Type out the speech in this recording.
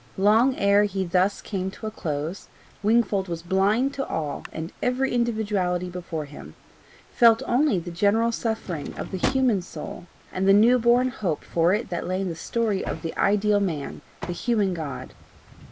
Long ere he thus came to a close, Wingfold was blind to all and every individuality before him felt only the general suffering of the human soul, and the new born hope for it that lay in the story of the ideal man, the human God.